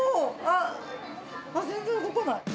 あっ全然動かない。